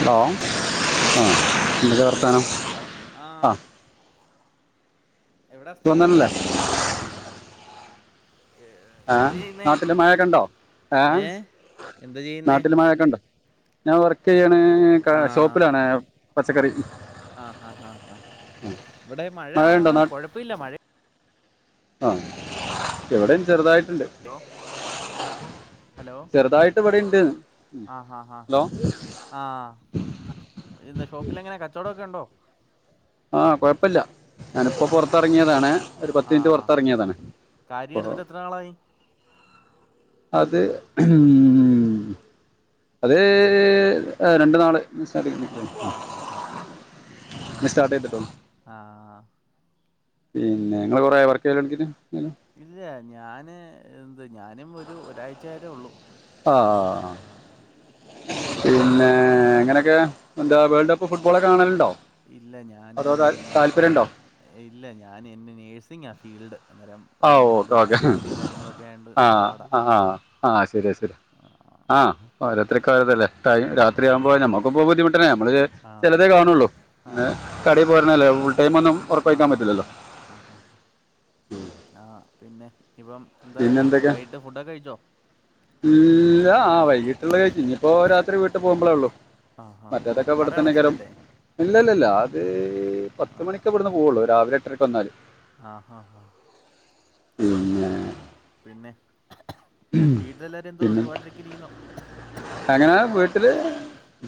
Hello ആഹ് hello ആ എവിടെ ഇത് സ്ഥലം വന്നല്ലേ ആല്ല എ ആഹ നാട്ടില് മഴൊക്കെണ്ടോഏ ഏ എന്താ ചെയ്യുന്നേ നാട്ടില് മഴൊക്കെ ഉണ്ടോ.... ഞാൻ വർക്ക് ചെയ്യാണ് ഷോപ്പിലാണ് പച്ചക്കറി ആഹ ഹാ ആ ഇവിടെ മഴ മഴയുണ്ടോ കൊഴപ്പില്ല മഴ ആഹ എവിടെയും ചെറുതായിട്ടുണ്ട്..... ഹലോ ഇപടെ ഉണ്ട്..... ആഹ് ഹാ ആാ ഹാ ഹലോ ആഹ ഇത ഷോപ്പില എങ്ങനെ കച്ചവടൊക്കെ ഉണ്ടോ.... ആ കുഴപ്പമില്ല ആഹ് ഞാനിപ്പോൾ ഹാ പുറത്തിറങ്ങിയതാണ്..... ഒരു പത്ത് മിനിറ്റ് ആഹ് പുറത്ത് ഇറങ്ങിയതാണ് കാര്യം അപ്പ..... എടുത്തിട്ട് എത്ര നാളായി അത് ഉം അത് ആഹ് രണ്ട് നാൾ ആ ആ ആ സ്റ്റാർട്ട് ആ ചെയ്തിട്ടുള്ളൂ ആ പിന്നെ നിങ്ങള് കുറേ വർക്ക് ചെയൽ തു ഇല്ല ഞാന് എന്ത് ഞാനും ഒരു ഒരാഴ്ച്ച ആയതേ ഉള്ളൂ ആ ആ പിന്നെ എങ്ങനെയൊക്കെ എന്താ വേൾഡ് കപ്പ് ഫുട്ബോളൊക്കെ കാണലുണ്ടോ ഇല്ല ഞാന് അതോ ഞാൻ ഞാൻ താല്പര്യണ്ടോ ഇല്ല ഞാൻ എന്റെ നേഴ്സിംഗാ ഫീൽഡ് അന്നേരം ആ ഭയങ്കര ഓക്കെ ഡ്യു ഓക്കെ നൈറ്റ് ഡ്യൂട്ടിയും കാര്യങ്ങളൊക്കെ ആയോണ്ട് ആഹ് പാട ആഹ് ആഹ് ശരിയാ ശരിയാ ആഹ് ഓരോരുത്തർക്ക് ഓരോ ഇതല്ല ടൈം രാത്രിയാവുമ്പോ നമ്മുക്കും പോവാൻ ബുദ്ധിമുട്ടനേ നമ്മള് ആ ചിലതേ കാണള്ളൂ ആ ആ കടയിൽ പോരണല്ലേ ഫുൾ ടൈം ഒന്നും ആ ഉറക്കോയ്ക്കാൻ പറ്റില്ലല്ലോ ആ ആ പിന്നെ ഇപ്പം എന്താ പിന്നെ ഇനി എന്തൊക്കെ വൈകിട്ട് ഫുഡൊക്കെ കഴിച്ചോ ഇല്ല ആ വൈകീട്ടുള്ള ഇനിയിപ്പോ രാത്രി വീട്ട് പോകുമ്പോളേ ഉള്ളു ആ ആ ആ മറ്റേതൊക്കെ കട ഇവിടെ തനെയിക്കാരം അടച്ചില്ലല്ലേ ഇല്ല ഇല്ല അത് പത്ത് ആ മണിക്കെ ഇവിടുന്ന് പോവയുള്ളു രാവിലെ എട്ടരയ്ക്ക് വന്നാൽ ആആആ പിന്നെ ആ പിന്നെ വീട്ടിലെല്ലാരും എന്തോ പിന്നെ സുഖമായിട്ട് ഒക്കെ ഇരിക്കുന്നോ അങ്ങനെ വീട്ടില്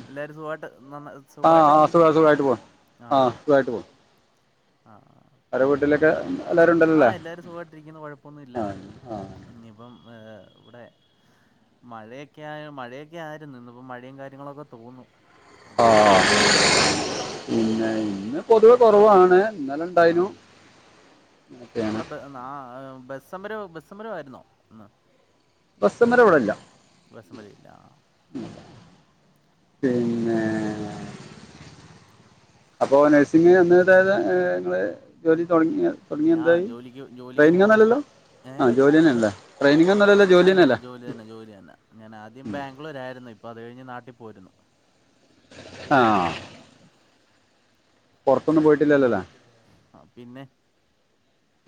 എല്ലാവരും സുഖമായിട്ട് നന്ന ആ ആ സുഖമായിട്ടൊക്കെ സുഖം ഇരിക്കുന്നു സുഖമായിട്ട് പോന്ന് ആ സുഖമായിട്ട് പോന്ന് ആ പിന്നെ എല്ലാവരും ഉണ്ടല്ലോ ആ അല്ലേ എല്ലാരും സുഖയിട്ട് ഇരി യിട്ടിരിക്കുന്നു കുഴപ്പൊന്നുമില്ല ആ ആ ഇപ്പം ഇവിടെ മഴയൊക്കെ മഴയൊക്കെ ആയിരുന്നു ഇന്ന് ഇപ്പോ മഴയും കാര്യങ്ങളൊക്കെ തോന്നു ആ പിന്നെ ഇന്ന് പൊതുവെ ഉം കുറവാണ് ഇന്നലെ ഇണ്ടായിനു ആഹ് അവിടെ ആ ബസ് സമരമോ ബസ് സമരോ ആയിരുന്നോ ഇന്ന് ബസ് സമരം ഇവിടില്ല ബസ് സമരം ഇല്ല ആ പിന്നെ ആ അപ്പോ നഴ്സിങ്എനി നിങ്ങള് ജോലി തുടങ്ങിയോ തുടങ്ങിയ ആഹ് എന്തായി ജോലിക്ക് ജോലിക്ക് ട്രെയിനിങ് ഒന്നും പോകുന്നുണ്ട് അല്ലലോ ഏഹ് ആ ജോലി തന്നെ അല്ലേ ടെയിനിങ്ങ ഒന്നും അല്ലലോ ജോലി അല്ലല്ല തന്നല്ലേ ജോലി തന്നെ ജോലി തന്നെ ഞാൻ ആദ്യം ബാംഗ്ലൂരായിരുന്നു ഇപ്പോൾ അത് കഴിഞ്ഞ് നാട്ടിൽ പോരുന്നു ആ പുറത്തൊന്നും പിന്നെ പോയിട്ടില്ലല്ലോ ആ പിന്നെ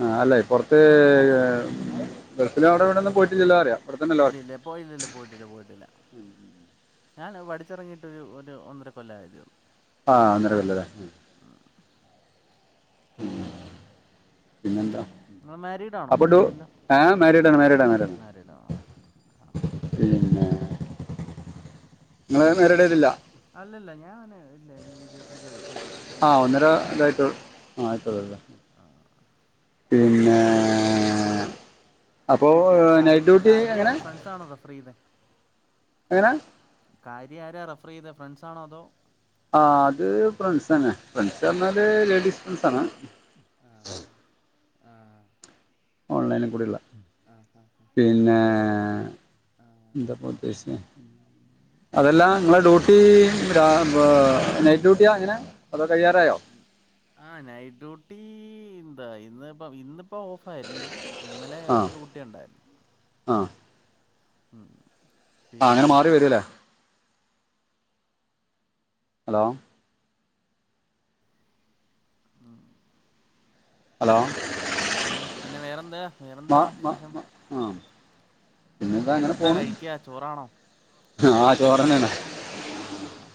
ആ അല്ല പുറത്ത് ഗൾഫിൽ അവിടെ ഇവിടെന്ന് പോയിട്ട് ഇല്ലാ പറയാ ഇല്ല ഇല്ല പോയില്ല ഇല്ല പോയിട്ടില്ല പോയിട്ടില്ല ഞാൻ പഠിച്ചിറങ്ങിയിട്ടൊരു ഒരു ഒന്നര കൊല്ലം ആയതേയുള്ളൂ ആഹ് ഒന്നരക്കൊല്ലല്ലേ [unintelligible] ഉം, ഉം. പിന്നെ പിന്നെന്താ നിങ്ങൾ മാരീഡ് ആണോ അല്ലല്ലോ ആഹ് മാരീഡാണ് മാരീഡാണ് മാരീഡാണ് മാരിഡാണോ പിന്നെ ആഹ് നിങ്ങൾ പിന്നെ മാരീഡ് ആയിട്ടില്ല അല്ലല്ല ഞാന് ഇല്ല എനിക്ക് ഇരുപത്തഞ്ച് വയസ് ആഹ് ഒന്നര ഇതായിട്ട ആഹ് ആയിട്ടോളല്ലേ പിന്നെ അപ്പോ നൈറ്റ് ഡ്യൂട്ടി എങ്ങനെ സാണോ റഫറ് ചെയ്ന്നേ എങ്ങനാ കാര്യ ആരാ റഫർ ചെയ്തെ ഫ്രണ്ട്സാണോ അതോ ആഹ് അത് ഫ്രണ്ട്സന്നെ ഫ്രണ്ട്സർഞ്ഞാല് ലേഡീസ് ഫ്രണ്ട്സാണ് ആഹ് ആഹ് ആഹ് ഓൺലൈനികൂടിള്ള ആ പിന്നെ എന്താപ്പന്തേഷ്ചെ അതല്ല ങ്ങളെ ഡ്യൂട്ടി രാ നൈറ്റ് ഡ്യൂട്ട്യാങ്ങനെ അതൊ കഴ്യാറായോ ആഹ് നൈറ്റ് ഡ്യൂട്ടി ന്താ ഇന്ന് ഇപ്പ ഇന്നിപ്പോ ഓഫ് ഫായിരുന്നു ഇന്നലെ ആ ഒരു ഡ്യൂട്ടിണ്ടായിരുന്നു ആ ഉം ആഹ് ങ്ങെനെ പിന്നെ മാറി വരൂല്ലേ ഹലോ ഉം ഹലോ പിന്നെ പിന്നെ വേറെന്താ വേറെന്താ വിശേഷം ആഹ് പിന്നെതാ അങ്ങനെ വൈകിട്ടെന്താ പോണ് കഴിക്ക ചോറാണോ ആഹ് ചോറന്നെണ് ആഹ്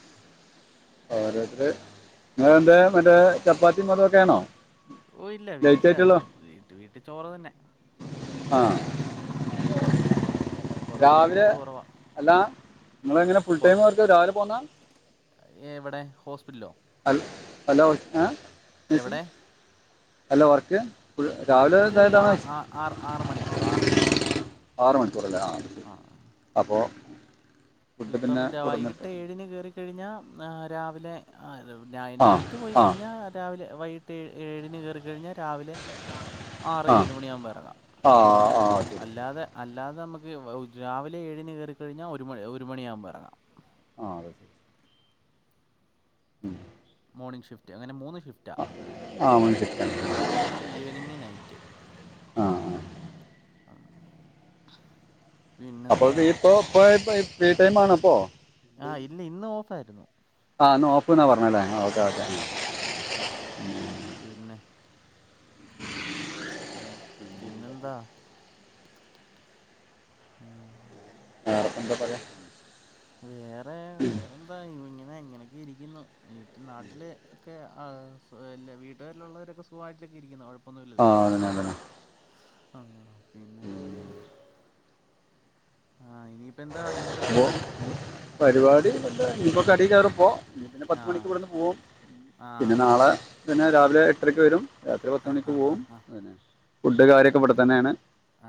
ഓരോത്തര് ആഹ് ങ്ങന്തെ മറ്റേ ചപ്പാത്തി അതൊക്കെണോ ഓഹ് ഇല്ല വീട്ടില വീട്ടി വീട്ടി ചോറ് തന്നെ ആ അഹ് അങ്ങനെ അങ്ങനെ പുറത്തൊന്നും രാവിലെ ഫുഡ് കുറവാ അല്ല ഞങ്ങളെങ്ങനെ ഫുൾ ടൈം വർക്ക് രാവിലെ പോന്നാ എഹ് വടെ ഹോസ്പിറ്റ്ലോ? ഹലോ ഹലോ ഏഹ് നേഴ്സിംഗ് എവിടെ ഹാലെ വർക്ക് ഫുൾ രാവിലെ വർക്ക് ഇതായിട്ടാണോ ആഹ് ആഹ് ആഹ് ആറ് മണിക്കൂർ ആറ് മണിക്കൂറ് ക്കൂറ്ലെ അഹ് ശെരി അപ്പോ ഇപ്പം വൈകിട്ട് ഏഴിന് കേറിക്കഴിഞ്ഞാ രാവിലെ ആഹ് ആ നൈറ്റ് പോയി ആ കഴിഞ്ഞാ രാവിലെ വൈകിട്ട് ഏഴിന് കേറിക്കഴിഞ്ഞാ രാവിലെ ആറേഴ് മണിയാവുമ്പോ എറങ്ങാം ആഹ് ആഹ് അല്ലാതെ അല്ലാതെ മ്മക്ക് രാവിലെ ഏഴിന് കേറിക്കഴിഞ്ഞാ ഒരു മണി ഒരു മണിയാകുമ്പ എറങ്ങാം ആഹ് അതെ ശെ ഉം മോർണിംഗ് ഷിഫ്റ്റ് അങ്ങനെ മൂന്ന് ഷിഫ്റ്റാ ആ മണിച്ചിട്ടാണ് മോർണിംഗ് ഈവനിങ്ങ് നൈറ്റ് ആ ആ ഉം അപ്പോതീപ്പോ ഇപ്പോ ഇപ്പ ഫ്രീ ടൈം ആണിപ്പോ ആഹ് ഇല്ല ഇന്ന് ഓഫായിരുന്നു ആഹ് ഇന്ന് ഓഫ്ന്നാ പറഞ്ഞേല്ലേ ഓക്കെ ആ ഓക്കെ പിന്നെ [unintelligible] ഉം പിന്നെന്താ? ഉം ഹും വേറെപ്പെന്താപറ്യ വേറെ വേറെന്താ ഇങ്ങനെ ഇങ്ങനെയൊക്കെ ഇരിക്കുന്നു വീട്ട് നാട്ടിലെ ക്കെ അഹ് എല്ല വീട്ടുകാരിലുള്ളവരൊക്കെ സുഖവായിട്ടൊക്കെ ഇരിക്കുന്നോ? കൊഴപ് - ആ പ്പൊന്നുല്ലല്ലോ അതന്നെ അതന്നെ ആഹ് പിന്നെ ആഹ് ഇനിയിപ്പെന്താ ഇന്നത്തെ പരിവാടി പരിവാടിപ്പെന്താ ഇനീപ്പോ കടീ കേറുപ്പോ ന്ന്പിന്നെ പത്ത് മണിക്ക്വ്ടെന്ന് പോവും പിന്നെ ആഹ് നാളെ പിന്നെ രാവിലെ എട്ടരക്ക് വരും. രാത്രി പത്തുമണിക്ക് പോവും ആഹാഹാഹാ. അങ്ങനെ ഫുഡ് കാര്യക്കെ ആ ഇവിടെത്തന്നേണ്.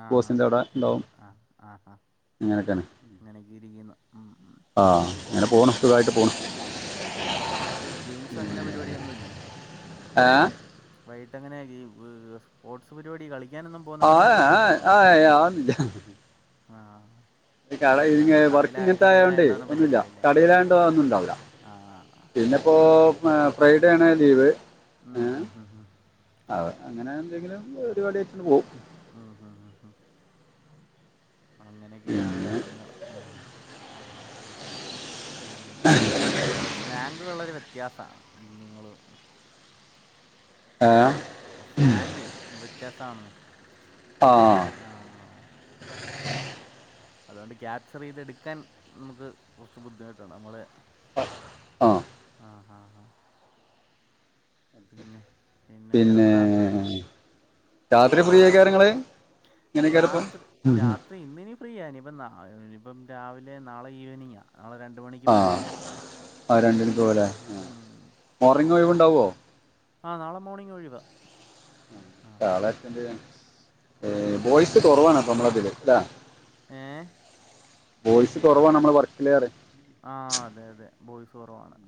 ആഹ് ബോസിൻ്റെ അവിടെ ണ്ടാവും അങ്ങനെക്കേണ് അങ്ങനെയൊക്കെരിക്കുന്നു. ഉം ഉം ആഹ്‌ ആഹ്‌ ആഹ്‌ വൈകിട്ട് ഗെയിംസ് അങ്ങനെ പരിപാടിഒന്നും ഇല്ലേ ഏഹ്‌ വൈകിട്ടങ്ങനെ ഗയി ഏഹ് സ്പോർട്സ് പരിപാടി കളി ആഹ ആഹ ആ ആഹ്‌ കടയില കടയിലായോണ്ട് അതൊന്നും പറ്റത്തില്ലല്ലേ ഇല്ല വേറെയുണ്ടാവില്ല ആഹ്‌ അ പിന്നെപ്പോ ഏഹ് ഫ്രൈഡേണ് ലീവ് ഉം ഉം ഹ്‌ ഹ് അ അങ്ങനെ എന്തെങ്കിലും പരിപാടി ആയിട്ടണ്ട് പോവും ആഹാ അഹ അങ്ങനെക്കെയാണ് പിന്നെ കാര്യങ്ങള് ഉം ഉം ഇങ്ങളെ സ്ലാങ്കുവളരെ വ്യത്യാസാണ്. നിങ്ങള് ഏഹ് സ്ലാംഗേയ് വ്യത്യാസാണെന്ന് ഉം ആഹ് ആഹ് അതുകൊണ്ട് ക്യാപ്ചറെയ്തെടുക്കാൻ നമുക്ക് കുറച്ച് ബുദ്ധിമുട്ടുണ്ട്. അമ്മള് ആഹ്‌ ഉം ഉം ഉം പിന്നെ പിന്നെ പിന്നേ വേറെന്താ രാത്രി ഫ്രീയേക്കാരങ്ങള് രാത്രി രാത് ഇന്നിനി ഫ്രീയ. ഇനിപ്പം നാ ഇനിപ്പം രാവിലെ നാളെ ഈവനിങ്ങാ. നാളെ രണ്ട് മണിക്ക് പോയാ മതി ആഹ്‌ രണ്ടണിക്കോവലെ ഉം മോർനിങ് ഒഴിവുണ്ടാവ്വോ ആ നാളെ മോണിംഗ് ഒഴിവ നാള അറ്റൻഡ് ചെയ്യാ. ഏഹ്‌ ആഹ് ബോയ്സ് കൊറവാണപ്പമ്മളതില് ലേ ഏഹ്‌ ബോയ്സ് കൊറവാണമ്മളെ വർക്കില് റ്യ ആഹ്‌ അതെ അതെ ബോയ്സ് കൊറവാണ്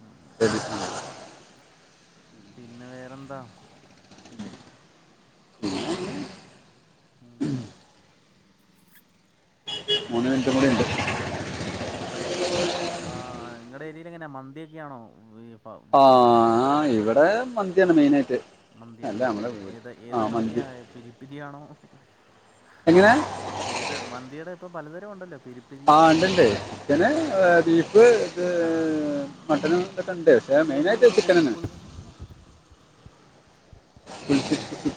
ഉം ശരി [inaudible] പിന്നെ വേറെന്താ [inaudible] ഉം ഉം മൂന്ന് മിൻറ്റുംകൂടിണ്ട് വൈകിട്ട് അവിടെ നിങ്ങളുടെ, ഏരിയയിൽ എങ്ങനെയ- മന്തിയൊക്കെയാണോ? ഫേമസ് ആ ഇവിടെ മന്തിയാണ് മെയിനായിട്ട്. മന്തിയാണ് അല്ല മീയിന നമ്മുടെ അല്ലേ, വീട് ഏത്, ഏത് ആ മന്തിയ മന്തി പിരിപ്പിരിയാണോ? എങ്ങനെ ഏത് മന്തിയുടെ ഇപ്പ, പലതരം ഉണ്ടല്ലോ? വി ആ ഉണ്ട് ഉണ്ട് യമനീസ്. ചിക്കന് ബീഫ്, ഇത് ആ മട്ടന ഒക്കെ ഉണ്ട്. പക്ഷേ ഈ ഏരിയയിൽ മെയിനായിട്ട് ഇപ്പൊ ചിക്കന് പുതു തന്നെ ആണ്. പുതു ഫുൾ ചിക്കാനാണ്,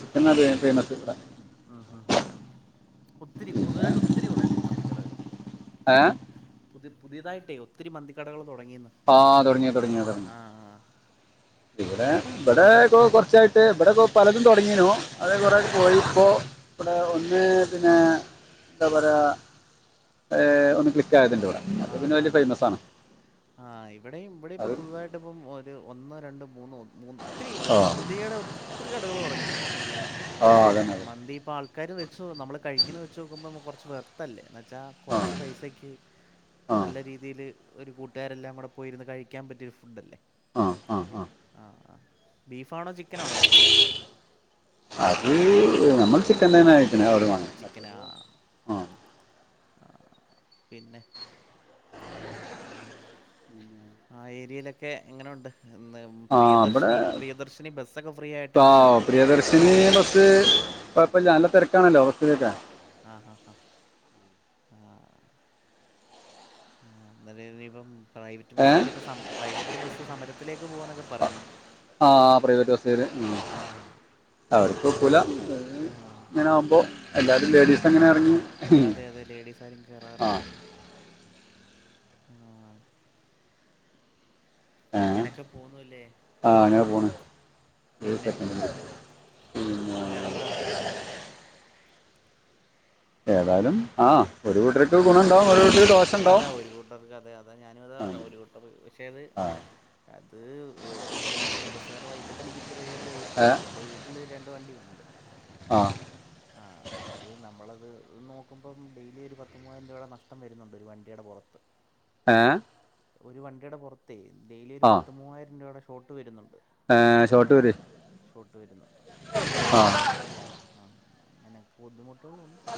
ചിക്കൻ- മന്തിയാണ് ഫേമസ് ഇവിട- ഉം ഉം ഉം ഒത്തിരി പിന്നെ പുതുതായിട്ട്- ഒത്തിരി, തുടങ്ങി മന്തിക്കടകള്. ഏ.. പുതിയ പുതിയതായിട്ടേ ഒത്തിരി- മന്തിക്കടകൾ തുടങ്ങിയന്ന്. ആഹ് തുടങ്ങിയ, തുടങ്ങി, തുടങ്ങി. ആഹാ ആഹാ. ഇവിടെ, ഇവിടെ, ഇക്ക കുറച്ചായിട്ട്- ഇവിടെക്ക പലതും തുടങ്ങീനോ? അത് കുറേ പോയി ഇപ്പോൾ ഇവിടെ ഒന്ന് പിന്നെ. എന്താ പറയ ഒന്ന് ക്ലക്ക്, ആയതിന്റെറെ ഇടെ, അത് പിന്നെ വലിയ ഫേമസ് ആണ്. ആഹാ ഇവിടെയും, ഇവിടെ ഇപ്പോ- അത് പുതുതായിട്ട് ഇപ്പം ഒരു ഒന്നോ, രണ്ടോ, മൂന്നോ- ഒത്തിരി, ആ മന്തിയുടെ ഒത്തിരി കടകൾ തുടങ്ങിയിട്ടുണ്ട്. ആ അതന്നെ മന്തിപ്പ ആൾ- ആക്കാർ വെച്ച്, നമ്മൾ കഴിക്കുന്നത് വെച്ച് നോക്കുമ്പോൾ കുറച്ച് വെർത്തല്ലേ. വച്ചാൽ കുറച്ച് അതന്നെ. പൈസക്ക് ആ നല്ല- രീതിൽ ഒരു കട്ട. കട്ടാരരെല്ലാം കൂടെ പോയിരുന്നു, കഴിക്കാൻ പറ്റിയരു ഫുഡ് അല്ലേ. ആഹാ ആഹാ ആഹാ. ആ ആ ബീഫാണോ? ചിക്കൻണോ കൂടുതല ഇഷ്ടം? അത് നമ്മൾ ചിക്കൻ തന്നെ, ആയിക്കണ അവര് വ- ചിക്കന- ആ പിന്നെ- ആഹാ ഏരിയയിലൊക്കെ എങ്ങനു- ണ്ട്. എ ആ ഇവിടെ പ്രിയദർശിനി, പ്രിയദർശിനി, ബസ്സൊക്കെ ഫ്രീ ആയിട്ട്- എങ്ങനെണ്ട്. സിനീ ബസ്സ് കുഴപ്പമില്ല, നല്ല തിരക്കാണല്ലോ ബസ്സിലേക്കെ. ആഹ് ഹാ ഹാ ആഹ. നല്ലനിപ്പം. പ്രൈവറ്റ് ഏ ബസ്സുകാരൊക്കെ- പ്രൈവറ്റ് ബസ്സ് സമരത്തിലേക്ക്- പോകന്നൊക്കെ പറയുന്നു. ആ ആ പ്രൈവറ്റ് ആ ബസ്ൽപ്പ പുല ആ ഇങ്ങനെ ആകുമ്പോൾ എല്ലാവരും- ലേഡീസ് അതെ. അങ്ങനെ ഇറങ്ങി അതെ, അതെ ലേഡീസ് ആരും ആഹാ. [inaudible] ഉം. അങ്ങനെയൊക്കെ പോന്നല്ലേ? ആഹ ഞാൻ പോണ്. ഒരു പിന്നെ സെക്കൻഡ് വേറെന്താ? ഏതായാലും ആഹാ ഒരു വീട്ടർക്ക്- ഗുണം ഉണ്ടാവും, ഒരുവിട്ടർക്ക് - അതാ ഒരു കൂട്ടർക്ക്, അതെ അതാ- ഞാനും അതാ, പറു ഒരു കൂട്ടർ- പക്ഷേ അത്, ആ ആ അത് പ്രൈവറ്റ് ബസ്സുകാർമായിറ്റ തടിക്കുന്നൊ ഒരു പരിപാടിയായി പോയി എൻ്റെ വീട്ട- വീട്ടിൽ രണ്ട് വണ്ടിയ ഉണ്ട്. ആഹാ. ആഹ് അന്നേരം അത് നമ്മളത് നോക്കുമ്പം, ഡെയിലി ഒരു പത്തു മൂവായിരം രൂപയുടെ നഷ്ടം വരുന്നുണ്ട്. ഒരു വണ്ടിയുടെ പുറത്ത്. ഏ.. ഒരു വണ്ടിയുടെ പുറത്ത ഡെയിലി ഒരു ആ പത്ത മൂവായിരം രൂപയുടെ ഷോട്ട് വരുന്നുണ്ട്. ഏ ഷോർട്ട് വര്- ഷോട്ട് വരുന്നുണ്ട്. ആഹാ. ആഹ അങ്ങനെയൊക്കെ ബുദ്ധിമുട്ഉളു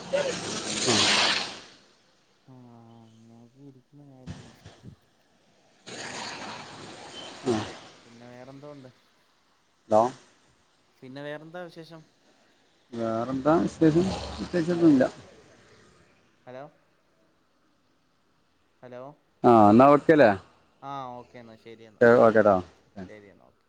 ഉം ആഹ അങ്ങ ഇരിക്കുന്ന കാര്യങ്ങൾ പിന്നെ പിന്നെ വേറെന്തോ ഉണ്ട് ഹലോ പിന്നെ വേറെന്താ വിശേഷം വേറെന്താ വിശേഷം ഹലോ പ്രത്യേകിച്ചൊന്നുല്ല ഹലോ ഹലോ ആഹ് നാ ഓക്കേലെ ആഹ് ഓക്കേ എന്നാ ശരി എന്നാൽ ഒക്കെട്ട ശരി എന്നഓക്കേ